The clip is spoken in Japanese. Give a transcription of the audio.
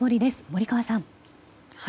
森川さん。